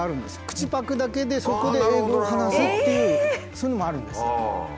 口パクだけでそこで英語を話すっていうそういうのもあるんです。